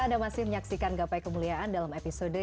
anda masih menyaksikan gapai kemuliaan dalam episode